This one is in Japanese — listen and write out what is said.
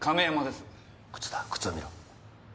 靴だ靴を見ろ。